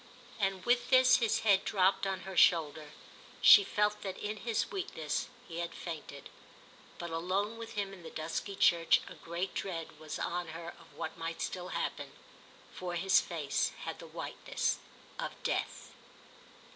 And with this his head dropped on her shoulder; she felt that in his weakness he had fainted. But alone with him in the dusky church a great dread was on her of what might still happen, for his face had the whiteness of death.